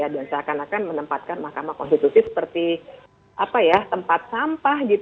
dan seakan akan menempatkan mahkamah konstitusi seperti tempat sampah